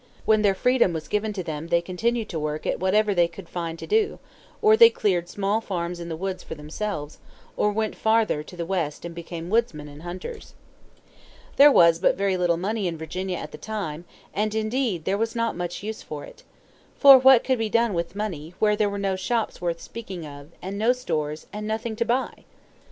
When their freedom was given to them they continued to work at whatever they could find to do; or they cleared small farms in the woods for themselves, or went farther to the west and became woodsmen and hunters. There was but very little money in Virginia at that time, and, indeed, there was not much use for it. For what could be done with money where there were no shops worth speaking of, and no stores, and nothing to buy?